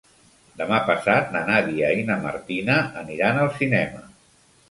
Demà passat na Nàdia i na Martina aniran al cinema.